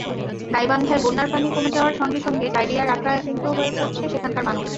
গাইবান্ধায় বন্যার পানি কমে যাওয়ার সঙ্গে সঙ্গে ডায়রিয়ায় আক্রান্ত হয়ে পড়ছে সেখানকার মানুষ।